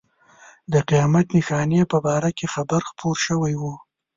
د قیامت نښانې په باره کې خبر خپور شوی و.